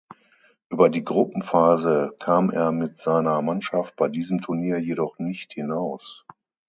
Über die Gruppenphase kam er mit seiner Mannschaft bei diesem Turnier jedoch nicht hinaus.